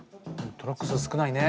トラック数少ないね。